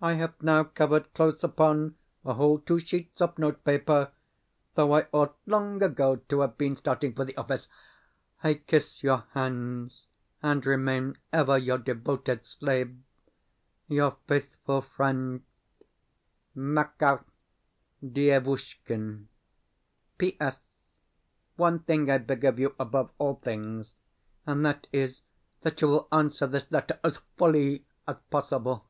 I have now covered close upon a whole two sheets of notepaper, though I ought long ago to have been starting for the office. I kiss your hands, and remain ever your devoted slave, your faithful friend, MAKAR DIEVUSHKIN. P.S. One thing I beg of you above all things and that is, that you will answer this letter as FULLY as possible.